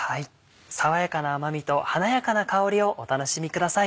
爽やかな甘みと華やかな香りをお楽しみください。